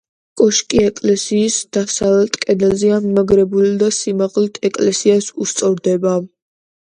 კოშკი ეკლესიის დასავლეთ კედელზეა მიდგმული და სიმაღლით ეკლესიას უსწორდება.